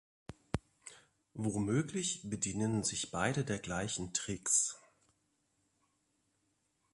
Womöglich bedienen sich beide der gleichen Tricks.